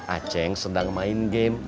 acing sedang main game